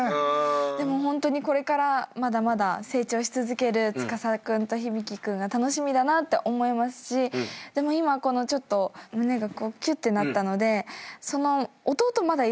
でもホントにこれからまだまだ成長し続ける司君と響君が楽しみだなって思いますしでも今ちょっと胸がキュってなったのでその弟まだいるじゃないですか。